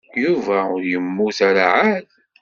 Yuba ur yemmut ara εad.